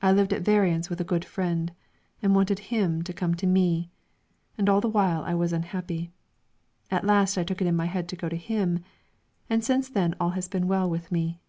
I lived at variance with a good friend, and wanted him to come to me, and all the while I was unhappy. At last I took it into my head to go to him, and since then all has been well with me."